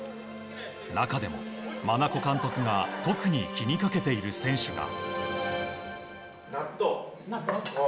中でも真名子監督が特に気にかけている選手が。